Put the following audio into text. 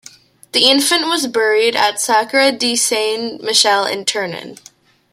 The infant was buried at the Sacra di San Michele in Turin.